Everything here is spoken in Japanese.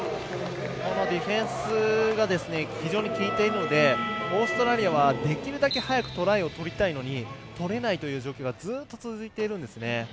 ディフェンスが非常に効いているのでオーストラリアはできるだけ早くトライを取りたいのに取れないという状況がずっと続いているんですね。